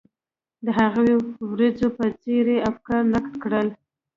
د هغو ورځو په څېر یې افکار نقد کړل.